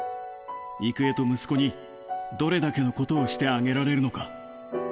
郁恵と息子にどれだけのことをしてあげられるのか。